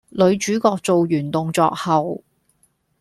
女主角做完動作後